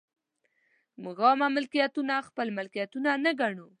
موږ عامه ملکیتونه خپل ملکیتونه نه ګڼو.